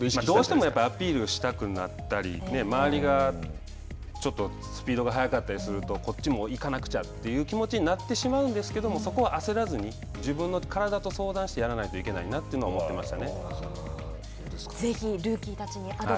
どうしてもアピールしたくなったり周りがちょっとスピードが速かったりするとこっちもいかなくちゃという気持ちになってしまうんですけどそこは焦らずに自分の体と相談してやらないといけないなというのは思ってましたね。